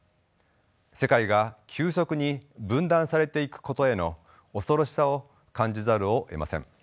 世界が急速に分断されていくことへの恐ろしさを感じざるをえません。